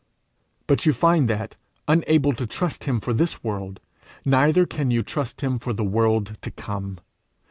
But you find that, unable to trust him for this world, neither can you trust him for the world to come.